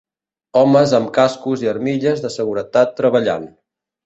Homes amb cascos i armilles de seguretat treballant.